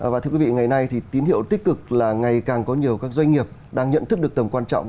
và thưa quý vị ngày nay thì tín hiệu tích cực là ngày càng có nhiều các doanh nghiệp đang nhận thức được tầm quan trọng